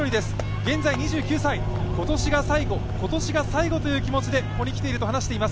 現在２９歳、今年が最後、今年が最後という気持ちでここに来ていると話しています。